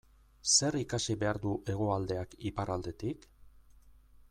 Zer ikasi behar du Hegoaldeak Iparraldetik?